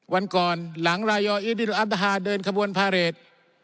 วันก่อนหลังรายอีดินอัตฮาเดินขบวนพาเรท